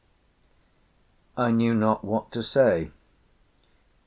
"I knew not what to say.